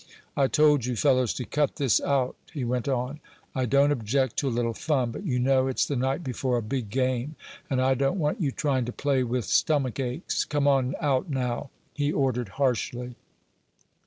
"I told you fellows to cut this out," he went on. "I don't object to a little fun, but you know it's the night before a big game, and I don't want you trying to play with stomach aches. Come on out now!" he ordered, harshly.